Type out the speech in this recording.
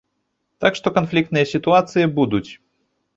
Так што канфліктныя сітуацыі будуць.